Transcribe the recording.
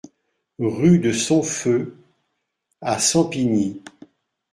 Rue de Sompheu à Sampigny